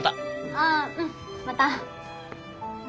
ああうんまた。